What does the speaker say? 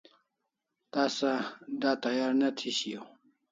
Tasa d'a tayar ne thi shiau